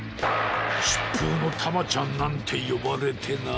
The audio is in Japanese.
「疾風のたまちゃん」なんてよばれてな。